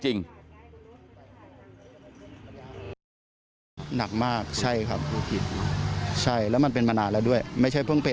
รับส่งนักเรียนนี้เรียนจบไปหลายรุ่นบางคนเจอก็